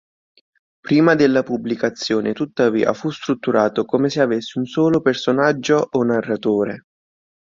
Prima della pubblicazione tuttavia fu strutturato come se avesse un solo personaggio o narratore.